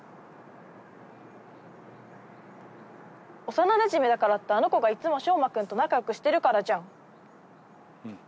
幼なじみだからってあの子がいつも翔真君と仲良くしてるからじゃん。